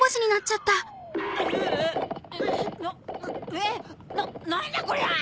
えっなんだこりゃ